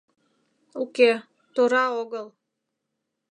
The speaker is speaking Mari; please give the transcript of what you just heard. — Уке, тора огыл.